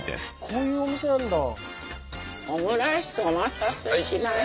こういうお店なんだ。